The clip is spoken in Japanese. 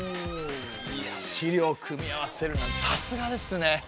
いや資料を組み合わせるなんてさすがですね！